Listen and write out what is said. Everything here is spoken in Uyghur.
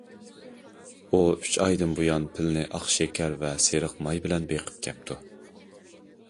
ئۇ، ئۈچ ئايدىن بۇيان پىلنى ئاق شېكەر ۋە سېرىق ماي بىلەن بېقىپ كەپتۇ.